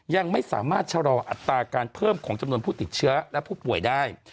ยังไม่สามารถชะลอัตราการเพิ่มของจำนวนผู้ติดเชื้อและผู้ป่วยได้